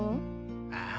ああ。